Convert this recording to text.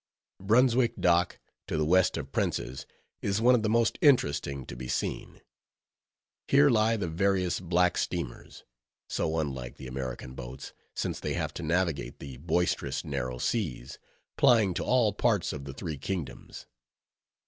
Brunswick Dock, to the west of Prince's, is one of the most interesting to be seen. Here lie the various black steamers (so unlike the American boats, since they have to navigate the boisterous Narrow Seas) plying to all parts of the three kingdoms.